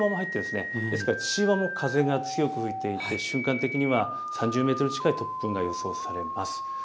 ですから父島も風が強く吹いていて瞬間的には３０メートル近い突風が予想されます。